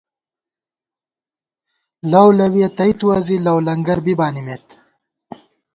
لؤ لَوِیہ تئ تُوَہ ، زی لؤلنگر بی بانِمېت